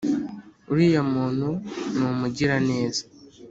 uriya muntu ni umugiraneza